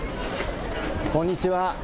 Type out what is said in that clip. こんにちは。